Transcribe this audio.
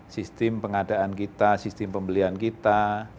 sistem pengadaan kita sistem pembelian kita